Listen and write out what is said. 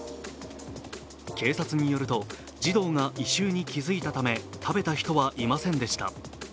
警察によると、児童が異臭に気づいたため食べた人はいませんでした。